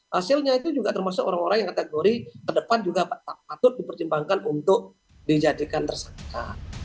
hasilnya itu juga termasuk orang orang yang kategori ke depan juga patut dipertimbangkan untuk dijadikan tersangka